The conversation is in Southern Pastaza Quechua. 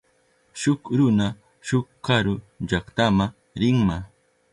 Shuk runa shuk karu llaktama rinma.